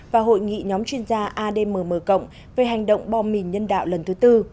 và hội nghị nhóm chuyên gia admm về hành động bom mìn nhân đạo lần thứ tư